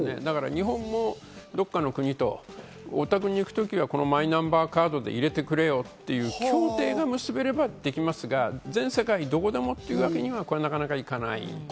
日本もどこかの国とお得に行くときはマイナンバーカードで入れてくれよっていう協定が結べればできますが、全世界どこでもっていうわけにはなかなかいかないと思います。